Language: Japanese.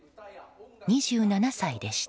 ２７歳でした。